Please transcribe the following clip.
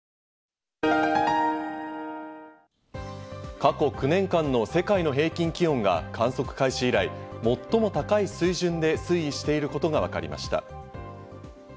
過去９年間の世界の平均気温が観測開始以来、最も高い水準で推移していることがわかりました。